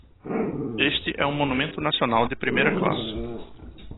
Este é um monumento nacional de primeira classe.